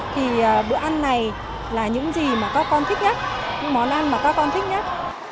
thì bữa ăn này là những gì mà các con thích nhất những món ăn mà các con thích nhất